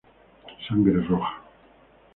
Sangre roja.